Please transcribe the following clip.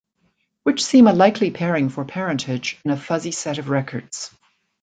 Which seem a likely pairing for parentage, in a fuzzy set of records.